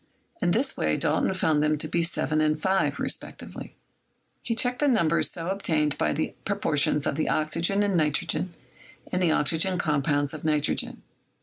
In this way Dalton found them to be 7 and 5, respectively. He checked the numbers so obtained by the proportions of the oxygen and nitrogen in the oxygen compounds of nitrogen.